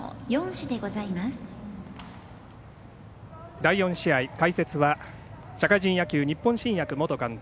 第４試合、解説は社会人野球日本新薬元監督